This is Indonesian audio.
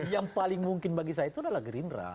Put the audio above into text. yang paling mungkin bagi saya itu adalah gerindra